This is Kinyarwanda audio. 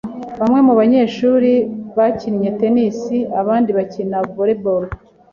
Bamwe mu banyeshuri bakinnye tennis, abandi bakina volley ball.